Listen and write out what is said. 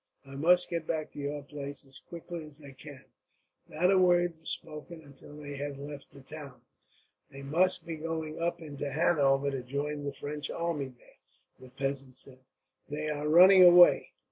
"I must get back to your place, as quickly as I can." Not a word was spoken, until they had left the town. "They must be going up into Hanover, to join the French army there," the peasant said. "They are running away.